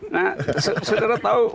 nah saudara tahu